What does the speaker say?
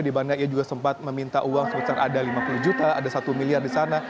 di mana ia juga sempat meminta uang sebesar ada lima puluh juta ada satu miliar di sana